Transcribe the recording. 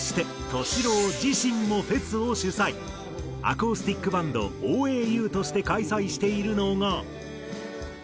アコースティックバンドＯＡＵとして開催しているのが。